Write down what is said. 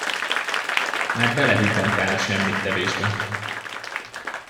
Már belehibbantál a semmittevésbe!